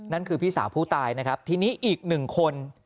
พี่สาวผู้ตายนะครับทีนี้อีกหนึ่งคน